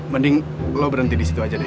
mending lo berhenti disitu aja deh